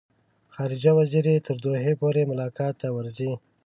خارجه وزیر یې تر دوحې پورې ملاقات ته ورځي.